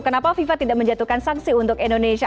kenapa fifa tidak menjatuhkan sanksi untuk indonesia